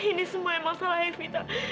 ini semua emang salah evita